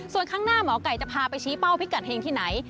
ส่วนข้างหน้าหมอไก่จะพาไปชี้เป้าพิกัดเฮงที่ไหน